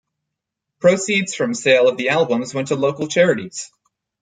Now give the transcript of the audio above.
Proceeds from sale of the albums went to local charities.